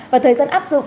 và thời gian áp dụng